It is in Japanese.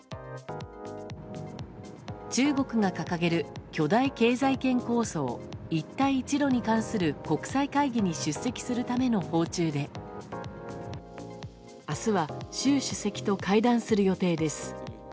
中国が掲げる巨大経済圏構想一帯一路に関する国際会議に出席するための訪中で明日は、習主席と会談する予定です。